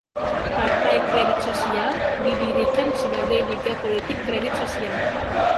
Partai Kredit Sosial didirikan sebagai Liga Politik Kredit Sosial.